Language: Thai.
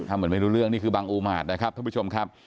ถ้าเหมือนไม่รู้เรื่องนี่คือบังอูมาตรนะครับท่านผู้ชมครับ